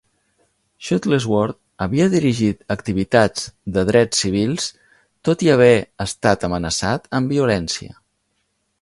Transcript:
Shuttlesworth havia dirigit activitats de drets civils tot i haver estat amenaçat amb violència.